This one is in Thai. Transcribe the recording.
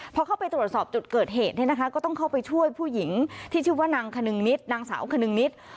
พอเข้าไปตรวจสอบจุดเกิดเหตุก็ต้องเข้าไปช่วยผู้หญิงที่ชื่อว่านางขนึงนิษย์